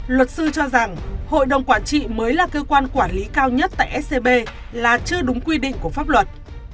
luật sư cho rằng hội đồng quản trị mới là cơ quan quản lý cao nhất tại scb là chưa đúng quy định của pháp luật